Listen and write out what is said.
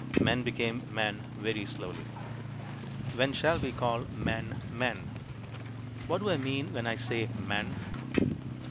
Men became men very slowly. WHEN SHALL WE CALL MEN MEN? What do I mean when I say "men"?